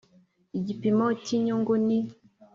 Igipimo cy inyungu ni